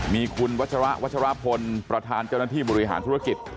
มีคุณวัชระวัชรพลประธานเจ้าหน้าที่บริหารธุรกิจ